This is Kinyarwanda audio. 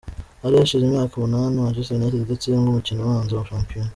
Hari hashize imyaka umunani Manchester United idatsindwa umukino ubanza wa shampiyona.